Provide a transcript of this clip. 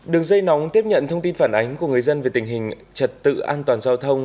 đường dây nóng tiếp nhận thông tin phản ánh của người dân về tình hình trật tự an toàn giao thông